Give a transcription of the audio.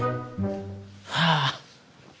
kedapa apa ini